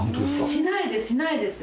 しないですしないです。